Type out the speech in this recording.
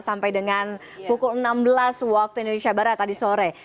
sampai dengan pukul enam belas waktu indonesia barat tadi sore